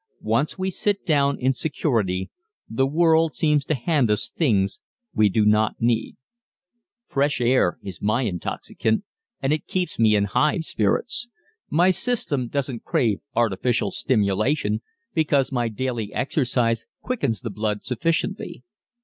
Once we sit down in security the world seems to hand us things we do not need. Fresh air is my intoxicant and it keeps me in high spirits. My system doesn't crave artificial stimulation because my daily exercise quickens the blood sufficiently.